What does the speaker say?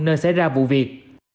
nên xảy ra vụ việc